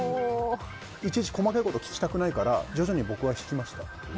いちいち細かいことを聞きたくないから徐々に僕が引きました。